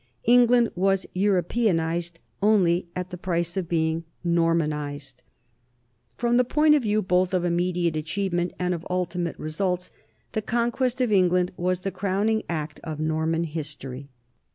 England was Europeanized only at the price of being Normanized. NORMANDY AND ENGLAND 83 From the point of view both of immediate achieve ment and of ultimate results, the conquest of England was the crowning act of Norman history.